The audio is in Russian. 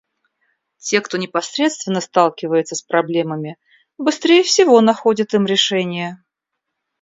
Те, кто непосредственно сталкивается с проблемами, быстрее всего находят им решения.